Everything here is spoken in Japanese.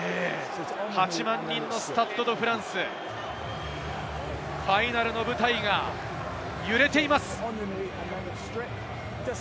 ８万人のスタッド・ド・フランス、ファイナルの舞台が揺れています。